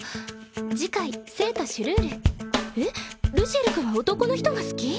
次回聖都シュルールえっルシエル君は男の人が好き？